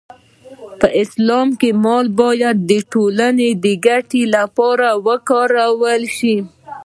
په اسلام کې مال باید د ټولنې د ګټې لپاره وکارول شي.